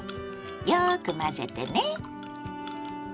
よく混ぜてね。